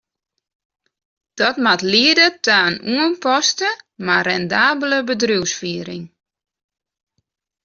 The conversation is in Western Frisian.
Dat moat liede ta in oanpaste, mar rendabele bedriuwsfiering.